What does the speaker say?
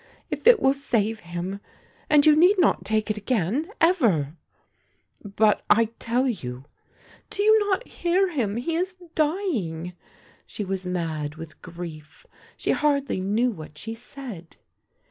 " If it will save him — and vou need not take it again, ever !"" But, I tell you "" Do you not hear him — he is dying !" She was mad with grief ; she hardly knew what she said.